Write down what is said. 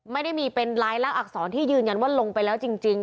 ไม่ได้มีเป็นลายลักษณอักษรที่ยืนยันว่าลงไปแล้วจริง